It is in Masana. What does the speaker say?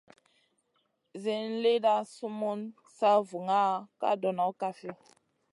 Zin lida sum sa vuŋa ka dono kafi ?